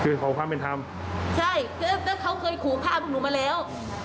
คือขอความเป็นทำใช่เพราะว่าเขาเคยขูภาพหนูมาแล้ว